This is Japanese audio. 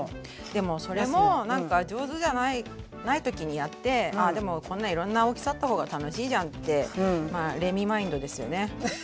でもそれも上手じゃない時にやってああでもこんないろんな大きさあった方が楽しいじゃんってまあレミマインドですよね。